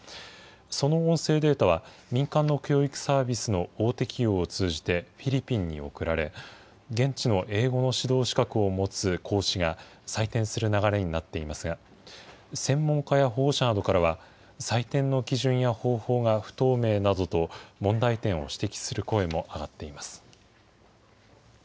その音声データは、民間の教育サービスの大手企業を通じてフィリピンに送られ、現地の英語の指導資格を持つ講師が採点する流れになっていますが、専門家や保護者などからは、採点の基準や方法が不透明などと、問題点を指摘する声も上がっています。